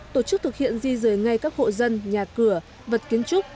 tổ chức thực hiện di rời ngay các hộ dân nhà cửa vật kiến trúc